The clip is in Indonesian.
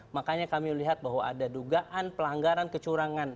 makanya kami melihat bahwa ada dugaan pelanggaran kecurangan